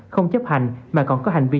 không chấp hành mà còn có hành vi